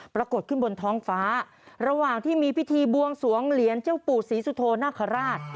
ปรากฏขึ้นบนท้องฟ้าระหว่างที่มีพิธีบวงสวงเหรียญเจ้าปู่ศรีสุโธนาคาราช